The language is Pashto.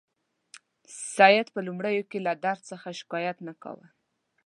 سید په لومړیو کې له درد څخه شکایت نه کاوه.